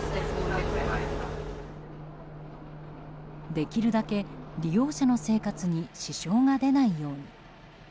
できるだけ、利用者の生活に支障が出ないように。